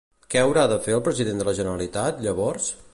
Què haurà de fer el president de la Generalitat, llavors?